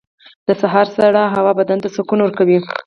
• د سهار سړه هوا بدن ته سکون ورکوي.